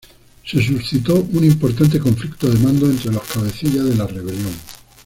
Se suscitó un importante conflicto de mando entre los cabecillas de la rebelión.